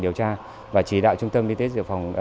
điều tra và chỉ đạo trung tâm y tế dự phòng